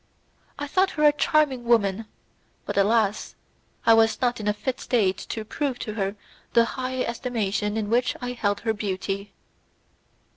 I thought her a charming woman, but, alas! I was not in a fit state to prove to her the high estimation in which I held her beauty.